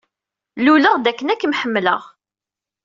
Luleɣ-d akken ad k-ḥemmleɣ.